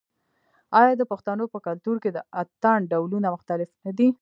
آیا د پښتنو په کلتور کې د اتن ډولونه مختلف نه دي؟